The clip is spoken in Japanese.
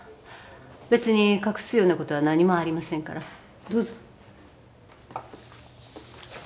別に隠すようなことは何もありませんからどうぞ。